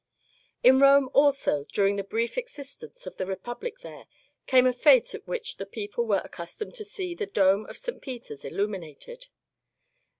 In Rome also, during the brief existence of the Republic there, came a fete at which the people were accustomed to see the dome of St. Peter's illuminated.